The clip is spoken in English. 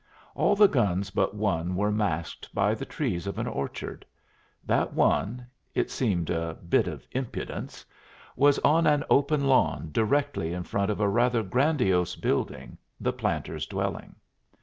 All the guns but one were masked by the trees of an orchard; that one it seemed a bit of impudence was on an open lawn directly in front of a rather grandiose building, the planter's dwelling.